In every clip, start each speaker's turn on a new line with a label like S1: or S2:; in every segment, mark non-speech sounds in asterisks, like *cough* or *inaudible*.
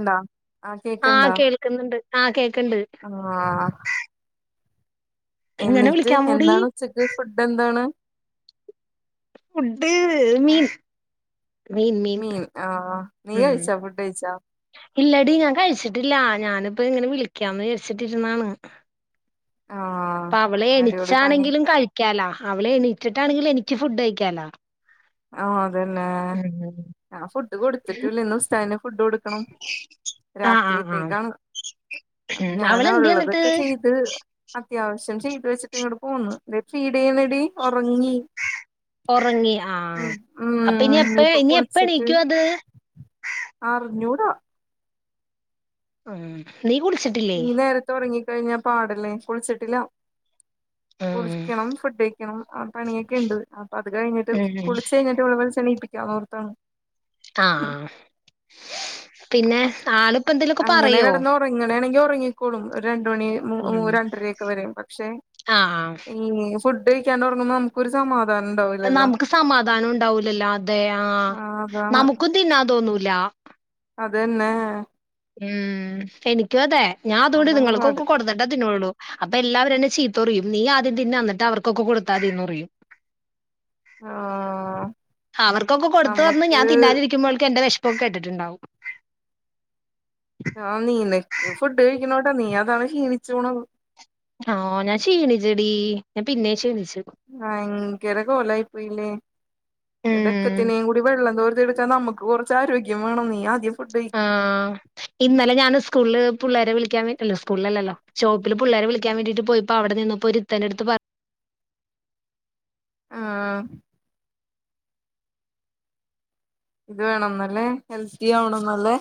S1: എന്താ
S2: ആ കേൾക്കുന്നുണ്ട് ആ കേക്ക്ണ്ട്
S1: ആ
S2: എങ്ങനെ
S1: എന്നിട്ട്
S2: വിളിക്കാൻ കൂടി
S1: എന്താണ് ഉച്ചക്ക് ഫുഡെന്താണ്?
S2: ഫുഡ്ഡ് മീൻ
S1: മീൻ ആ നീ
S2: ഉം
S1: കഴിച്ചാ ഫുഡ് കഴ്ച്ചാ?
S2: ഇല്ലടി ഞാൻ കഴിച്ചിട്ടില്ല ഞാനിപ്പൊ ഇങ്ങനെ വിളിക്കാന്ന് വേര്ച്ചിട്ടിരുന്നാണ്
S1: ആ
S2: അപ്പൊ അവളെ
S1: അടിപൊളി പണി
S2: എണീച്ചാണെങ്കിലും കഴിക്കാലാ അവളെ എണീറ്റിട്ടാണെങ്കിലും എനിക്ക് ഫുഡ് കഴിക്കാലാ
S1: ഓ അതെന്നെ
S2: ഉം
S1: ഞാം ഫുഡ് കൊടുത്തിട്ടില്ല ഇന്ന് ഉസ്താന് ഫുഡ് കൊടു ക്കണം
S2: ആഹ് ആഹ് ആഹ്
S1: രാത്രിത്തേക്കാണ് അപ്പൊ
S2: ഉം
S1: ഞാന
S2: അവളെന്തേ എന്നിട്ട്
S1: ഉള്ളതൊക്കെ ചെയ്ത് അത്യാവശ്യം ചെയ്ത് വെച്ചിട്ട് ഇങ്ങട് പോന്നു തിനെ ഫീഡെയ്യണോടി ഒറങ്ങി
S2: ഒറങ്ങി ആ അപ്പൊ ഇനി
S1: ഉം
S2: എപ്പെ
S1: ഇപ്പൊ
S2: ഇനി
S1: കുളിച്ചിട്ട്
S2: എപ്പെണിക്കും അത്
S1: അറിഞ്ഞൂടാ
S2: ഉം നീ കുളിച്ചിട്ടില്ലേ?
S1: ഒറങ്ങി കഴിഞ്ഞാ പാടല്ലേ കുളിച്ചിട്ടില്ലാ
S2: ഉം
S1: കുളിക്കണം ഫുഡ്യ്ക്കണം ആ പണിയൊക്കെണ്ട് അപ്പൊ അത് കഴിഞ്ഞിട്ട്
S2: ഉം
S1: കുളിച്ചേയ്ഞ്ഞിട്ട് ഓളെ വിള്ച്ചെണീപ്പിക്കാം നോർത്താണ്
S2: ആ പിന്നെ ആള്
S1: അങ്ങനെ കെടന്ന് ഒറങ്ങ്ണെണെങ്കി ഒറങ്ങിക്കോളും ഒര് രണ്ട് മണി ഓ
S2: ഉം
S1: രണ്ടരൊക്ക്. വരയും പക്ഷെ
S2: ആഹ്
S1: ഈ ഫുഡ് ഫുഡ് കെയിക്കാൻണ്ടോറങ്ങുബോ. നമുകൊരു സമാധാനം. ഉണ്ടാവില്ലല്ലോ
S2: നമുക്ക് സമാധാനം ഉണ്ടാവൂലല്ലോ. അതെ ആഹ.
S1: ആഹ് അതാണ്
S2: നമുക്കും തിന്നാൻ തോന്നൂല.
S1: അത് ന്നെ
S2: മ്മ്ഹ്. എനിക്കും അതെ ഞാൻ അതോണ്ട്
S1: അതാണ് പാട്
S2: നിങ്ങൾക്കൊക്കെ കൊടു ത്തിന്നൊള്ളൂ. അപ്പൊ എല്ലാവരു എന്നെ ചീത്തറയും. നീ ആദ്യം തിന്ന്ന്നെട്ട് അവർക്കൊക്കെ കൊടുത്താതിന്നറിയു.
S1: ആഹാ
S2: അവർക്കൊക്കെ കൊടുത്തുവന്ന്. ഞാ തിന്നാലിരിക്കുമ്പോൾക്ക് എന്റെ വെഷപ്പൊക്കെട്ടിട്ടുണ്ടാവും.
S1: ആഹ നീനക്ക് ഫുഡ് കഴിക്ണോണ്ട നീ അതാണ് ഷീണിച്ച്പോണത്.
S2: ആ. ഞാൻ ക്ഷീണിച്ചെടിഞാൻ പിന്നേം ക്ഷീണിച്ചു.
S1: ഭയങ്കരകൊലായി പ്പൊയിലെ.
S2: ഉം.
S1: ഇതെക്കത്തിനേയും കൂടിവെള്ളം തോർത്തി എടുക്കാ നമക്ക് കൊറച്ച് ആരോഗ്യംവേണം നീ ആദ്യം ഫുഡ്കഴി.
S2: ആഹ്. ഇന്നലെ ഞാന് സ്കുള് പുള്ളേരെ വിളിക്കാൻ സ്കൂളല്ലല്ലോ ഷോപ്പില് പുള്ളേരെ വിളിക്കാൻ വേണ്ടിയിട്ട് പോയി പ്പ അവടെനിന്നപ്പോ ഒരുത്തന്റെട്ത്ത് പ
S1: ആ ഇത് വേണംന്നല്ലേ ഹെൽത്തി ആവണംന്നല്ലേ.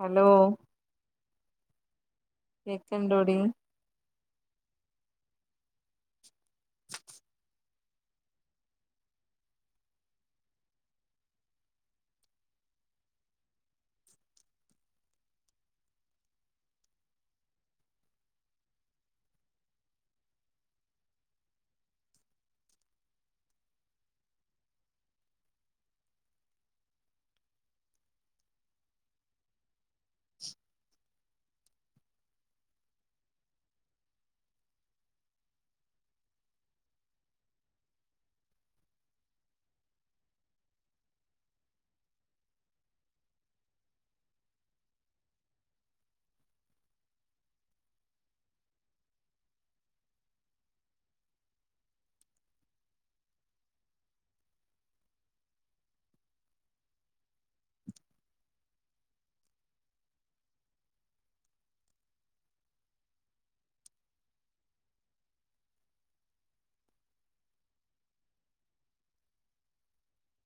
S1: ഹലോ. കേക്ക്ണ്ടോടി. *inaudible* *inaudible*